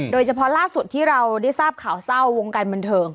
โดยเฉพาะล่าสุดที่เราได้ทราบข่าวเศร้าวงการบันเทิง